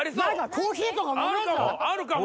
コーヒーとか飲めるかも！